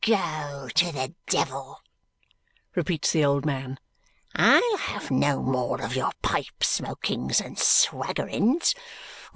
"Go to the devil!" repeats the old man. "I'll have no more of your pipe smokings and swaggerings.